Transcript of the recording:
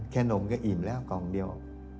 นมก็อิ่มแล้วกล่องเดียว